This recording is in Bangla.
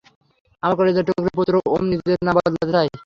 আমার কলিজার টুকরা পুত্র ওম, নিজের নাম বদলাতে চায়।